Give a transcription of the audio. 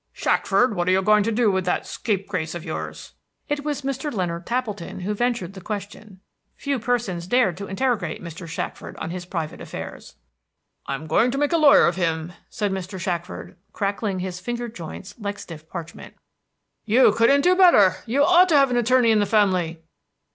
"Shackford, what are you going to do with that scapegrace of yours?" It was Mr. Leonard Tappleton who ventured the question. Few persons dared to interrogate Mr. Shackford on his private affairs. "I am going to make a lawyer of him," said Mr. Shackford, crackling his finger joints like stiff parchment. "You couldn't do better. You ought to have an attorney in the family."